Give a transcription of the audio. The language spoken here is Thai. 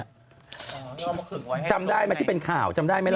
อ๋อมันคืนไว้ให้ตรงไหนจำได้ไหมที่เป็นข่าวจำได้ไหมล่ะ